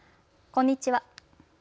こんにちは。